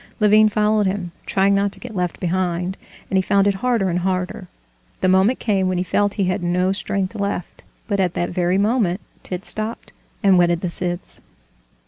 Levin followed him, trying not to get left behind, and he found it harder and harder: the moment came when he felt he had no strength left, but at that very moment Tit stopped and whetted the scythes.